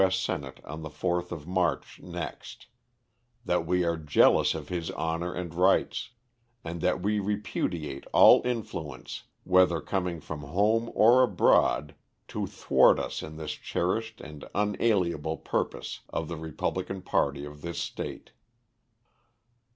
S. Senate on the fourth of March next: that we are jealous of his honor and rights; and that we repudiate all influence whether coming from home or abroad to thwart us in this cherished and unalienable purpose of the Republican party of this state."